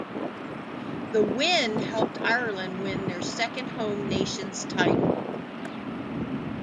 The win helped Ireland win their second Home Nations title.